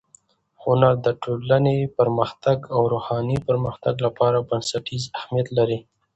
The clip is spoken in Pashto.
هنر د ټولنې فرهنګي او روحاني پرمختګ لپاره بنسټیز اهمیت لري.